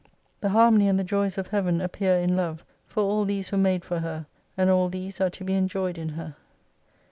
The harmony and the joys of fleaven appear in Love, for all these were made for her, and all these are to be enjoyed in her.